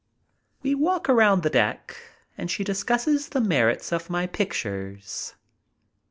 We walk arotmd the deck and she discusses the merits of my pictures.